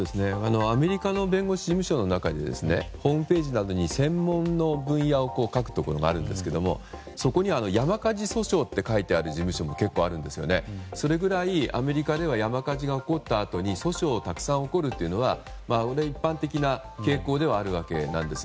アメリカの弁護士事務所の中にホームページなどに専門の分野を書くところがあるんですけどそこには山火事訴訟って書いてある事務所もあってそれぐらいアメリカでは山火事が起こったあとに訴訟がたくさん起こるというのは一般的な傾向であるわけなんです。